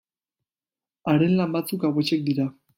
Haren lan batzuk hauexek dira.